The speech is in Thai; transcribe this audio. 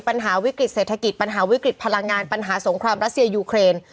ปัญหาวิกฤติเศรษฐกิจปัญหาวิกฤตพลังงานปัญหาสงครามรัสเซียยูเครน